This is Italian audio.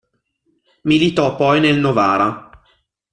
Militò poi nel Novara.